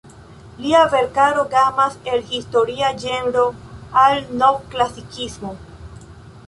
Lia verkaro gamas el historia ĝenro al Novklasikismo.